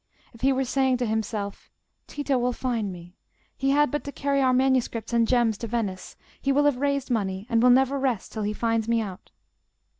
If he were saying to himself, "Tito will find me: he had but to carry our manuscripts and gems to Venice; he will have raised money, and will never rest till he finds me out"?